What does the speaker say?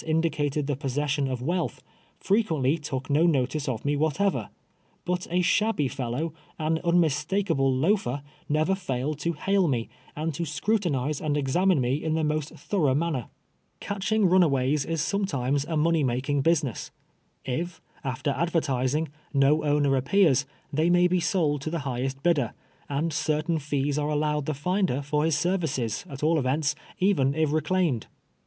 indicated the possession of wealth, frerpiently took no notice of me Avhatever ; but a shabby fellow, an un mistahalde loafer, never failed to hail me, and to scrutinize and examine me in the most thorough man ner. Catching runaways is sometimes a money mak ing business. If, after advertising, no owner appears, they may be sold to the highest bidder; and certain fees are allowed the finder for his services, at all events, even if reclaimed.